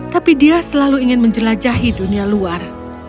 tapi dia selalu ingin menjelajahi dunia luar